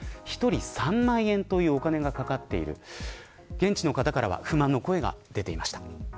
現地の方からは不満の声が出ていました。